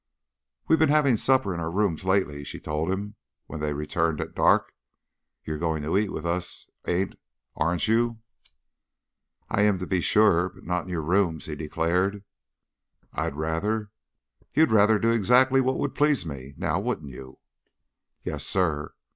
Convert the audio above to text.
"We've been having supper in our rooms lately," she told him, when they returned at dark. "You're going to eat with us, ain aren't you?" "I am, to be sure. But not in your rooms," he declared. "I'd rather " "You'd rather do exactly what would please me, now wouldn't you?" "Yes, sir."